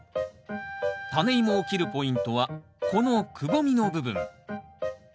タネイモを切るポイントはこのくぼみの部分。